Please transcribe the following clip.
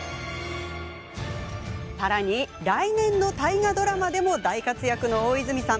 さらに来年の大河ドラマでも大活躍の大泉さん。